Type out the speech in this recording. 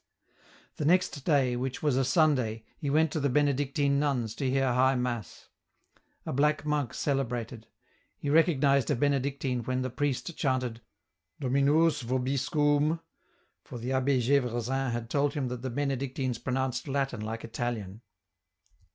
The next day, which was a Sunday, he went to the Benedictine nuns to hear High Mass. A black monk celebrated; he recognized a Benedictine when the priest chanted "Dominous vobiscoum," for the Abb^G^vresin had told him that the Benedictines pronounced Latin like Italian.